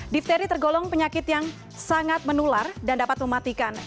dipteri tergolong penyakit yang sangat menular dan dapat mematikan